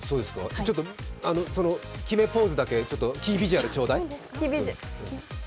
ちょっと決めポーズだけ、キービジュアルちょうだい。